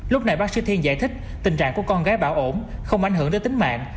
lúc này bác sĩ thiên giải thích tình trạng của con gái bảo ổn không ảnh hưởng đến tính mạng